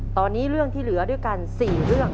ตอนนี้เรื่องที่เหลือด้วยกัน๔เรื่อง